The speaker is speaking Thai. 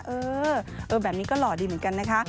เออแบบนี้ก็หล่อดีเหมือนกันนะคะ